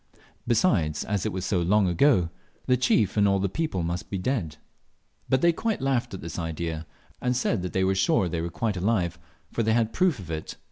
Besides, as it was so long ago, the chief and all the people must be dead. But they quite laughed at this idea, and said they were sure they were alive, for they had proof of it.